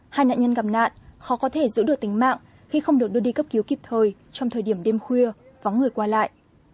hai nạn nhân gặp nạn khó có thể giữ được tính mạng khi không được đưa đi cấp cứu kịp thời trong thời điểm đêm khuya vắng người qua lại